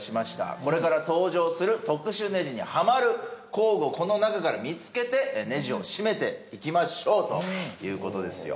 これから登場する特殊ネジにはまる工具をこの中から見つけてネジを締めていきましょうという事ですよ。